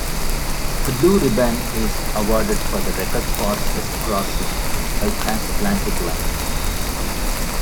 The Blue Riband is awarded for the record fastest crossing by transatlantic liner.